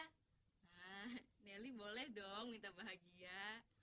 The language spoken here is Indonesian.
nah nelly boleh dong minta bahagia